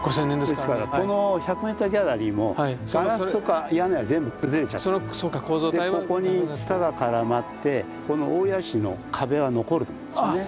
ですからこの１００メートルギャラリーもガラスとか屋根は全部崩れちゃってここにツタが絡まってこの大谷石の壁は残ると思うんですよね。